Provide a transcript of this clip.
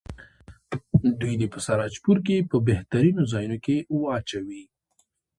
دوی دې په سراجپور کې په بهترینو ځایونو کې واچوي.